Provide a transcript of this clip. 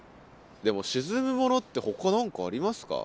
でも沈むものってほか何かありますか？